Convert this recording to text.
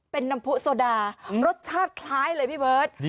เป็นน้ำผู้โซดารสชาติคล้ายเลยพี่เบิร์ต